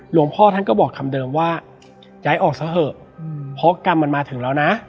หลวงพ่อท่านก็บอกคำเดิมว่าย้ายออกซะเถอะเพราะกรรมมันมาถึงแล้วนะ